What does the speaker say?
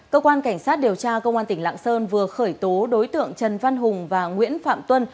cơ quan cảnh sát điều tra công an tỉnh lạng sơn vừa khởi tố đối tượng trần văn hùng và nguyễn phạm tuân